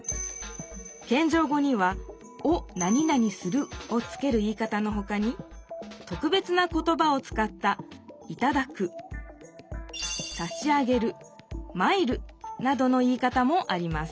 けんじょう語には「おなになにする」をつける言い方のほかにとくべつな言ばを使った「いただく」「さし上げる」「参る」などの言い方もあります